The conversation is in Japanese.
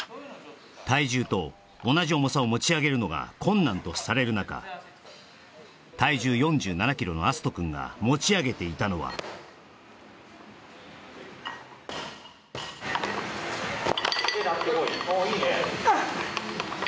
体重と同じ重さを持ち上げるのが困難とされる中体重４７ｋｇの敬くんが持ち上げていたのは・おっいいね